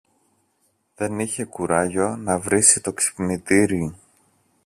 Δεν είχε το κουράγιο να βρίσει το ξυπνητήρι